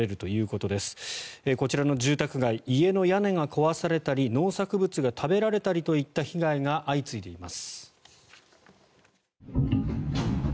こちらの住宅街家の屋根が壊されたり農作物が食べられたりといった被害が相次いでいます。